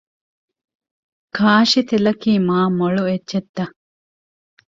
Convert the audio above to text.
ކާށިތެލަކީ މާ މޮޅު އެއްޗެއްތަ؟